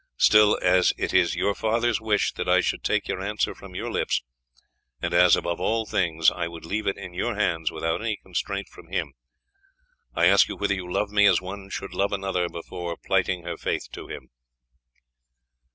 Still, as it is your father's wish that I should take your answer from your lips, and as, above all things, I would leave it in your hands without any constraint from him, I ask you whether you love me as one should love another before plighting her faith to him?"